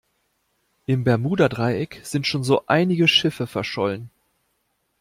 Im Bermuda-Dreieck sind schon so einige Schiffe verschollen.